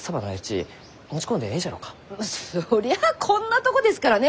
そりゃあこんなとこですからね